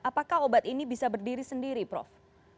apakah obat ini bisa berdiri sendiri prof